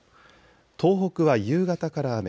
東北は夕方から雨。